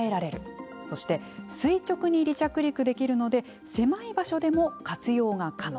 そして、垂直に離着陸できるので狭い場所でも活用が可能。